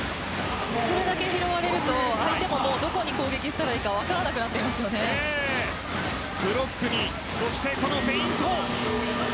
これだけ拾われると相手もどこに攻撃したらいいかブロックに、そしてフェイント。